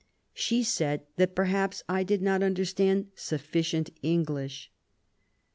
She said that perhaps I did not understand sufficient English."